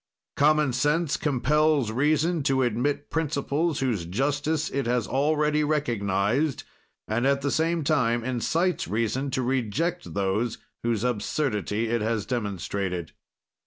"Common sense compels reason to admit principles whose justice it has already recognized, and, at the same time, incites reason to reject those whose absurdity it has demonstrated.